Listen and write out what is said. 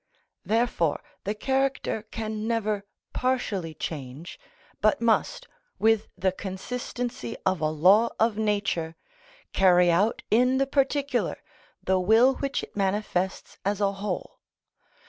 Therefore the character can never partially change, but must, with the consistency of a law of Nature, carry out in the particular the will which it manifests as a whole.